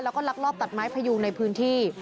แล้วก็ลักลอบตัดไม้พยูงในพื้นที่